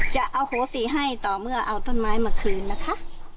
จะเอาโหสีให้ต่อเมื่อเอาต้นไม้มาคืนนะคะ